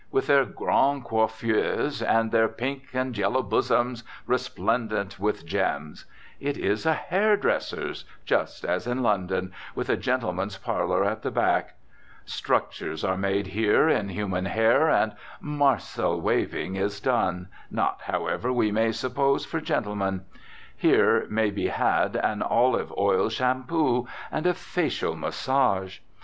With their grandes coiffures. And their pink and yellow bosoms resplendent with gems. It is a hair dresser's, just as in London, with a gentlemen's parlour at the back. "Structures" are made here in human hair, and "marcel waving" is done, not, however, we may suppose, for gentlemen. Here may be had an "olive oil shampoo," and a "facial massage."